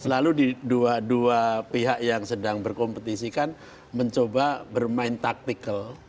selalu di dua dua pihak yang sedang berkompetisi kan mencoba bermain taktikal